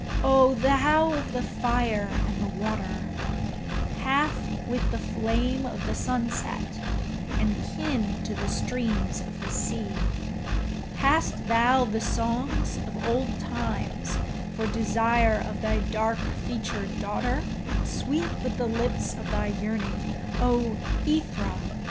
Oh, thou of the fire and the water, Half with the flame of the sunset, and kin to the streams of the sea, Hast thou the songs of old times for desire of thy dark featured daughter, Sweet with the lips of thy yearning, O Aethra!